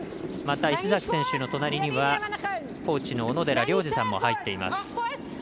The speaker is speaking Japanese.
また石崎選手の隣にはコーチの小野寺亮二さんも入っています。